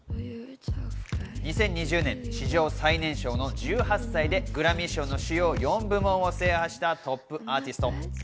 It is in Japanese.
２０２０年、史上最年少の１８歳でグラミー賞の主要４部門を制覇したトップ・アーティスト。